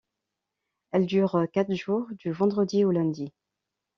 Elle dure quatre jours du vendredi au lundi.